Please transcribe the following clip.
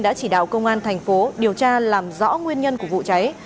đã chỉ đạo công an thành phố điều tra làm rõ nguyên nhân của vụ cháy